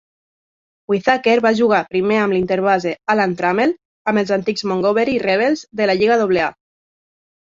Whitaker va jugar primer amb l'interbase Alan Trammell amb els antics Montgomery Rebels de la lliga Doble A.